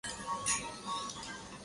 它起初是一个低级行政中心。